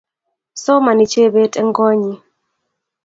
Somani Jebet eng` konyi